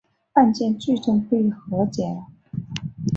案件最终被和解了。